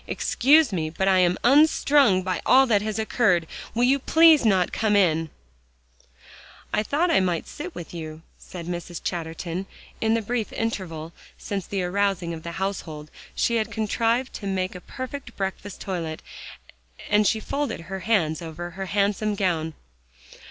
Excuse me, but I am unstrung by all that has occurred. Will you please not come in" "I thought I might sit with you," said Mrs. Chatterton. In the brief interval since the arousing of the household, she had contrived to make a perfect breakfast toilet, and she folded her hands over her handsome gown.